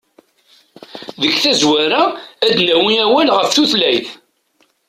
Deg tazwara, ad d-nawi awal ɣef tutlayt.